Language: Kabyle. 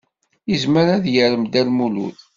Yezmer ad yarem Dda Lmulud?